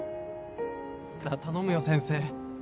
なぁ頼むよ先生。